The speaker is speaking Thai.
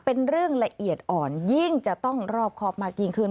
เป็นเรื่องละเอียดอ่อนยิ่งจะต้องรอบครอบมากยิ่งขึ้น